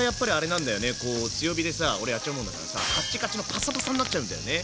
こう強火でさ俺やっちゃうもんだからさカッチカチのパサパサになっちゃうんだよね。